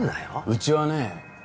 うちはね